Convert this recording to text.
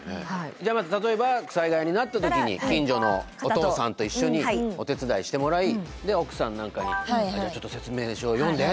じゃあまず例えば災害になった時に近所のおとうさんと一緒にお手伝いしてもらい奥さんなんかに「ちょっと説明書を読んで。